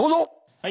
はい。